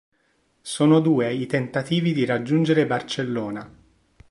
Sono due i tentativi di raggiungere Barcellona.